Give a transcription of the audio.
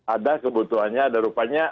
ada kebutuhannya ada rupanya